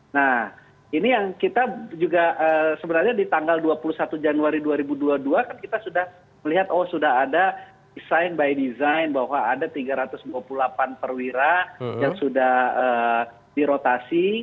nah ini yang kita juga sebenarnya di tanggal dua puluh satu januari dua ribu dua puluh dua kan kita sudah melihat oh sudah ada desain by design bahwa ada tiga ratus dua puluh delapan perwira yang sudah dirotasi